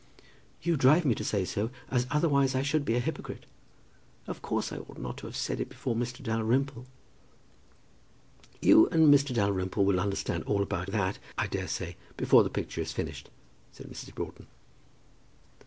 "You drive me to say so, as otherwise I should be a hypocrite. Of course I ought not to have said it before Mr. Dalrymple." "You and Mr. Dalrymple will understand all about that, I daresay, before the picture is finished," said Mrs. Broughton.